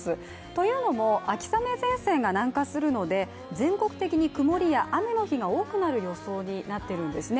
というのも秋雨前線が南下するので全国的に曇りや雨の日が、多くなる予想になっているんですね。